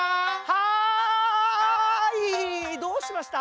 はいどうしました？